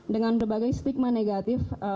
dengan berbagai stigma negatif